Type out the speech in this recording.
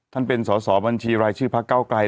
เป็นสอสอบัญชีรายชื่อพระเก้าไกล